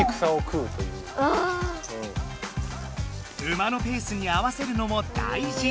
馬のペースに合わせるのも大じ！